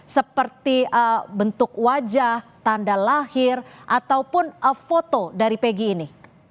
seperti bentuk wajah tanda lahir ataupun foto dari pegi ini